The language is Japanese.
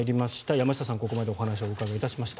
山下さんにここまでお話をお伺いしました。